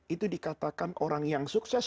itu dikatakan orang yang sukses